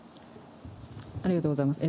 ありがとうございます。